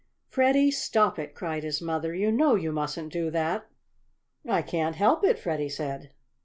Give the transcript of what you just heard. "Freddie, stop it!" cried his mother. "You know you mustn't do that!" "I can't help it," Freddie said.